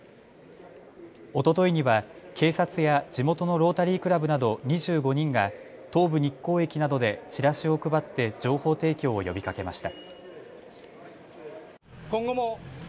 おとといには警察や地元のロータリークラブなど２５人が東武日光駅などでチラシを配って情報提供を呼びかけました。